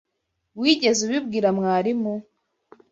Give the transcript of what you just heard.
Wigeze ubibwira mwarimu?